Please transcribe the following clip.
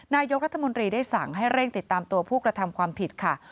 นายกรัฐมนตรีได้สั่งให้เร่งติดตามตัวผู้กระทำความผิดค่ะ